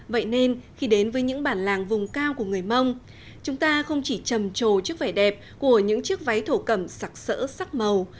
vậy nên khi đến với những bản làng vùng cao của người mông chúng ta không chỉ trầm trồ trước vẻ đẹp của những chiếc váy thổ cẩm sặc sỡ sắc màu